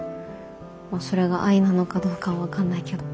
まあそれが愛なのかどうかは分かんないけど。